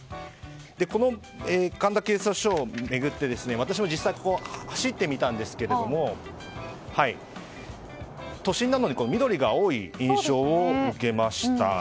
この神田警察署を巡って私も実際走ってみたんですが都心なのに緑が多い印象を受けました。